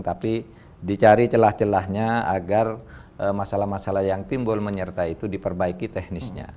tapi dicari celah celahnya agar masalah masalah yang timbul menyertai itu diperbaiki teknisnya